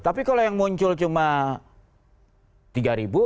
tapi kalau yang muncul cuma tiga ribu